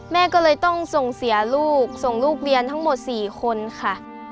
แม่ก็เลยต้องส่งเสียลูกส่งลูกเรียนทั้งหมด๔คนค่ะ